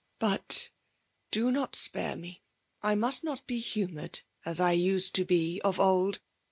^'But do Aot spare me. I must not be humoured as I used to be of old.